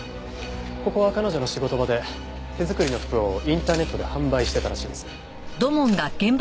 ここは彼女の仕事場で手作りの服をインターネットで販売してたらしいです。